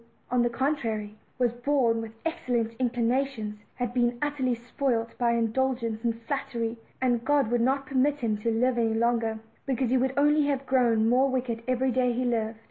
on the contrary, was born with excellent inclinations, has been utterly spoiled by indulgence and flattery; and God would not permit him to live longer, because he would only have grown more wicked every day he lived.